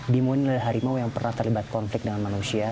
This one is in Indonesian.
bimo ini adalah harimau yang pernah terlibat konflik dengan manusia